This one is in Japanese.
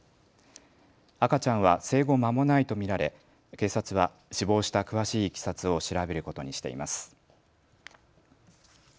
赤ちゃんは生後まもないと見られ警察は死亡した詳しいいきさつを調べることにしています。